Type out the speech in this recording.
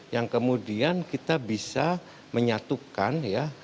yang kemudian kita bisa menyatukan ya